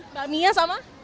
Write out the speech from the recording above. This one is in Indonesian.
mbak mia sama